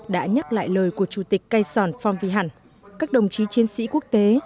đã nhắc lại lời của chủ tịch cây sòn phong vy hẳn các đồng chí chiến sĩ quốc tế